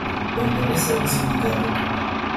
Pertenece a un sindicato.